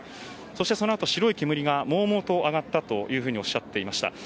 そしてそのあと体から白い煙がもうもうと上がったとおっしゃっていました。